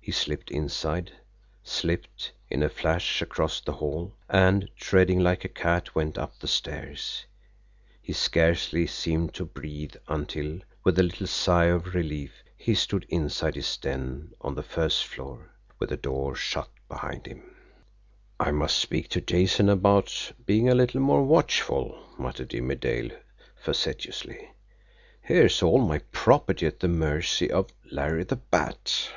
He slipped inside, slipped, in a flash, across the hall, and, treading like a cat, went up the stairs. He scarcely seemed to breathe until, with a little sigh of relief, he stood inside his den on the first floor, with the door shut behind him. "I must speak to Jason about being a little more watchful," muttered Jimmie Dale facetiously. "Here's all my property at the mercy of Larry the Bat!"